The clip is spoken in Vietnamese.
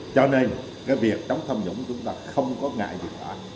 cho nên cái việc đấu tranh tham nhũng chúng ta không có ngại gì cả